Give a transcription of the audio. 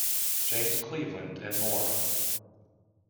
James Cleveland, and more.